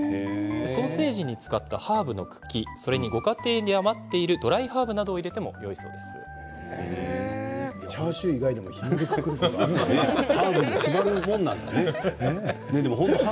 ソーセージに使ったハーブの茎やご家庭で余っているドライハーブなどを入れてもチャーシュー以外でもひもで縛るんだね。